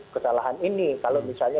kesalahan ini kalau misalnya